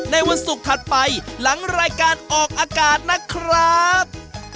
วันศุกร์ถัดไปหลังรายการออกอากาศนะครับ